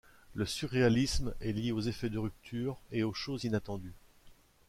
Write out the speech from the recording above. Le surréalisme est lié aux effets de ruptures et aux choses inattendues.